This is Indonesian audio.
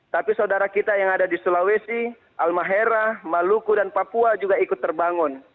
tapi saudara kita yang ada di sulawesi almahera maluku dan papua juga ikut terbangun